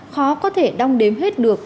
khó có thể đong đếm hết được